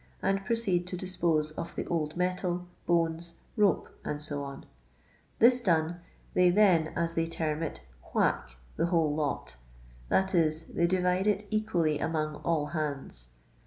and proceed to dispose of the old metal, bones, rope, &c. ; this done, tiiey then, as they term it, "whack" the whole lot; that is, they divide it equally among all hands.